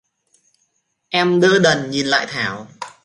Em đờ đẫn nhìn lại Thảo